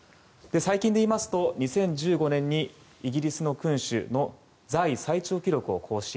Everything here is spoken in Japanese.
最近で言いますと２０１５年にイギリスの君主の在位最長記録を更新。